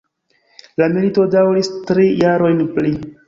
La milito daŭris tri jarojn pli.